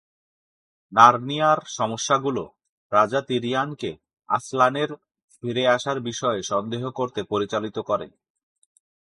নারনীয়ার সমস্যাগুলো রাজা তিরিয়ানকে আসলানের ফিরে আসার বিষয়ে সন্দেহ করতে পরিচালিত করে।